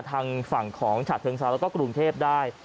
ทางฝั่งของฉะเชิงเซาแล้วก็กรุงเทพได้